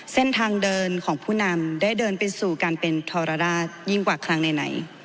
เส้นทางเดินของผู้นำได้เดินไปสู่การเป็นทรดายิ่งกว่าครั้งไหน